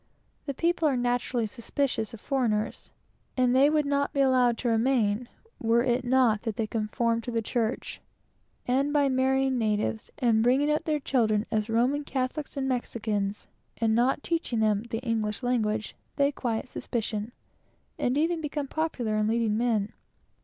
The people are generally suspicious of foreigners, and they would not be allowed to remain, were it not that they become good Catholics, and by marrying natives, and bringing up their children as Catholics and Mexicans, and not teaching them the English language, they quiet suspicion, and even become popular and leading men.